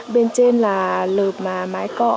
bên trên là lợp mái cọ